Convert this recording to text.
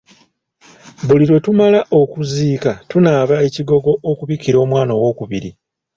Buli lwe tumala okuziika tunaaba ekigogo okubikira omwana ow'okubiri.